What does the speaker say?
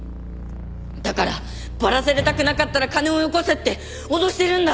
だからバラされたくなかったら金をよこせって脅してるんだろ！